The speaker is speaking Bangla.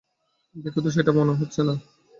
দেখে তো সেটা মনে হচ্ছে না।